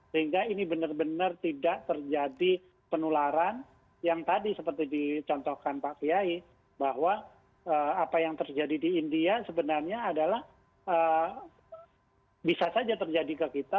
sehingga ini benar benar tidak terjadi penularan yang tadi seperti dicontohkan pak kiai bahwa apa yang terjadi di india sebenarnya adalah bisa saja terjadi ke kita